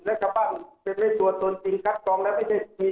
เราก็มาตรวจดูถ้ามีตัวตนจริงเอาขายจริงนะอยู่ในประคา๘๐บาทจริง